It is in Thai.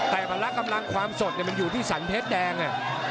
แต่พละกำลังความสดมันอยู่ที่สรรเพชรแดง